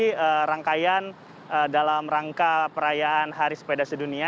ini rangkaian dalam rangka perayaan hari sepeda sedunia